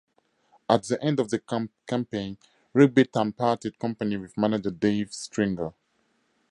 At the end of the campaign, Rugby Town parted company with manager Dave Stringer.